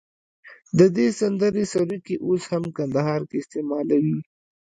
د دې سندرې سروکي اوس هم کندهار کې استعمالوي.